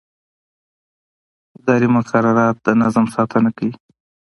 اداري مقررات د نظم ساتنه کوي.